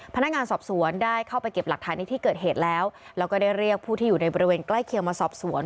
พนักงานสอบสวนได้เข้าไปเก็บหลักฐานในที่เกิดเหตุแล้วแล้วก็ได้เรียกผู้ที่อยู่ในบริเวณใกล้เคียงมาสอบสวน